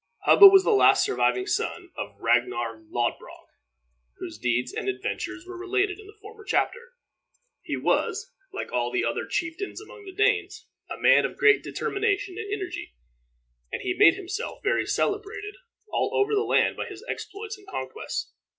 Hubba was the last surviving son of Ragner Lodbrog, whose deeds and adventures were related in a former chapter. He was, like all other chieftains among the Danes, a man of great determination and energy, and he had made himself very celebrated all over the land by his exploits and conquests.